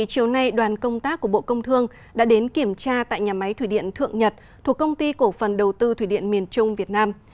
chiều nay đoàn công tác của bộ công thương đã đến kiểm tra tại nhà máy thủy điện thượng nhật thuộc công ty cổ phần đầu tư thủy điện miền trung việt nam